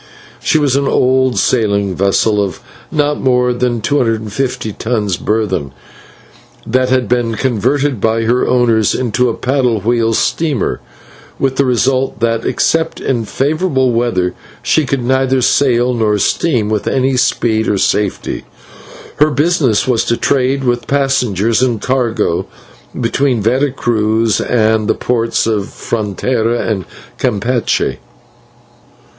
She was an old sailing vessel of not more than two hundred and fifty tons burden, that had been converted by her owners into a paddle wheel steamer, with the result that, except in favourable weather, she could neither sail nor steam with any speed or safety. Her business was to trade with passengers and cargo between Vera Cruz and the ports of Frontera and Campeche.